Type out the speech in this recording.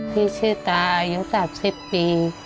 ชื่อตาอายุ๓๐ปี